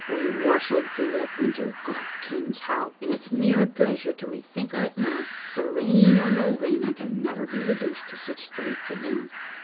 We warstled through that winter, God kens how, and it's near a pleasure to me to think o't now, for, rain or no rain, I can never be reduced to sic straits again.